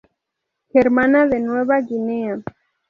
Germana de Nueva Guinea".